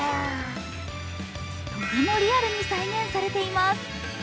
とてもリアルに再現されています。